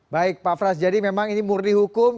baik pak frans jadi memang ini murni hukum